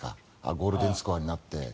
ゴールデンスコアになって。